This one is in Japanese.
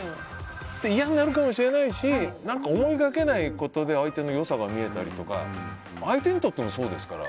いやになるかもしれないしでも、思いがけないことで相手の良さが見えたりとか相手にとってもそうですから。